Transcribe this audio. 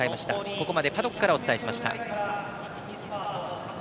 ここまでパドックからお伝えしました。